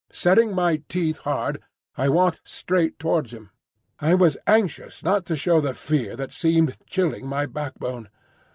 Setting my teeth hard, I walked straight towards him. I was anxious not to show the fear that seemed chilling my backbone.